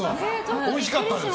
おいしかったです。